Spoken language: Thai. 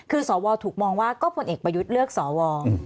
คือสวถูกมองว่าก็พลเอกประยุทธ์เลือกสว